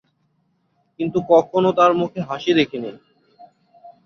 কিন্তু কখনো তার মুখে হাসি দেখিনি।